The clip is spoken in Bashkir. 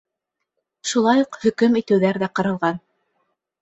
Шулай уҡ хөкөм итеүҙәр ҙә ҡаралған.